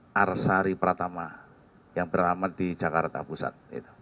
arsari pratama yang beramat di jakarta pusat